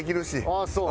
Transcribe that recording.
ああそう？